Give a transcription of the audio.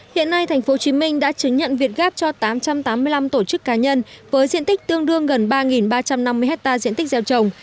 hiện nay tp hcm đã chứng nhận việt gáp cho tám trăm tám mươi năm tổ chức cá nhân với diện tích tương đương gần ba ba trăm năm mươi hectare diện tích gieo trồng